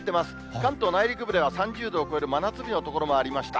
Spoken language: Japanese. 関東内陸部では３０度を超える真夏日の所もありました。